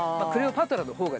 パトラのほうが？